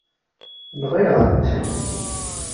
Nɣiɣ-am-tt.